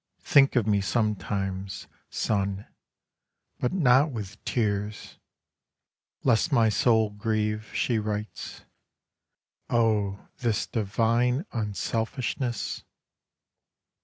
("Think of me sometimes, son, but not with tears Lest my soul grieve," she writes. Oh, this divine Unselfishness!)